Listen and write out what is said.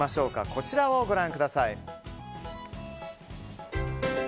こちらをご覧ください。